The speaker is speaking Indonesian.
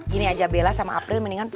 gini aja bella sama april mendingan pulih